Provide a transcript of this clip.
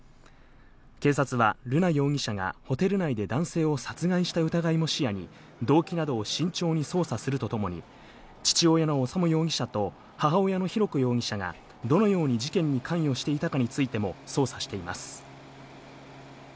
警察は瑠奈容疑者がホテル内で男性を殺害した疑いも視野に動機などを慎重に捜査するとともに、父親の修容疑者と、母親の浩子容疑者がどのように事件に関与していたかについても捜査しています。